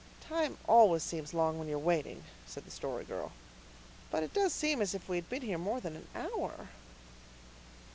"Time always seems long when you're waiting," said the Story Girl. "But it does seem as if we had been here more than an hour."